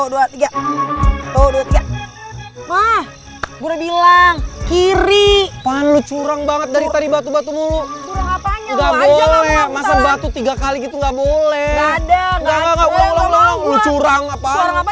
dia untuk dua puluh tiga dua puluh tiga dua puluh tiga pula bilang ki ri palu curang banget dari tadi ngus up